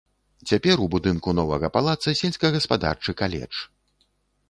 Цяпер у будынку новага палаца сельскагаспадарчы каледж.